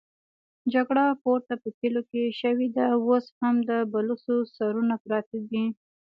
جګړه پورته په کليو کې شوې ده، اوس هم د بلوڅو سرونه پراته دي.